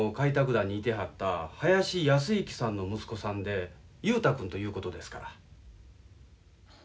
団にいてはった林安行さんの息子さんで雄太君ということですから。